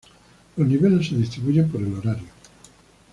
Los niveles se distribuyen por el horario.